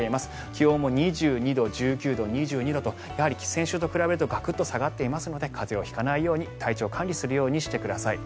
気温も２２度、１９度、２２度と先週と比べるとガクッと下がっていますので風邪を引かないように体調管理をしてください。